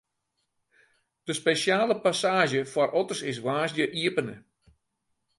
De spesjale passaazje foar otters is woansdei iepene.